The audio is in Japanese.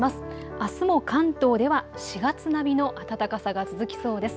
あすも関東では４月並みの暖かさが続きそうです。